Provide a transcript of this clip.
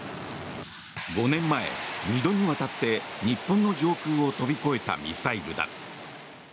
５年前、２度にわたって日本の上空を飛び越えたミサイルだ。